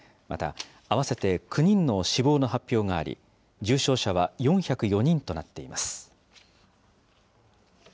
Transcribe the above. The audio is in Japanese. また、合わせて９人の死亡の発表があり、重症者は４０４人となっています。